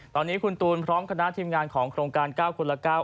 ตอนนี้คุณตูนพร้อมคณะทีมงานของโครงการ๙คนละ๙